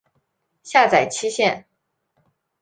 下载期限